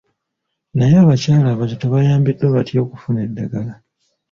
Naye abakyala abazito bayambiddwa batya okufuna eddagala?